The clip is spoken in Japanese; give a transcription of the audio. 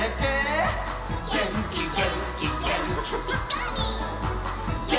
「げんきげんきげんき」「ぴかりん」